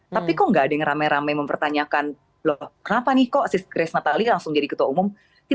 tapi kok gak ada yang rame rame mempertanyakan loh kenapa nih kok si grace natali langsung jadi ketua umum